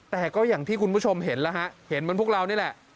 แต่ก็อย่างที่คุณผู้ชมเห็นแล้วฮะเห็นเหมือนพวกเรานี่แหละ